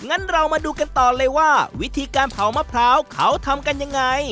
งั้นเรามาดูกันต่อเลยว่าวิธีการเผามะพร้าวเขาทำกันยังไง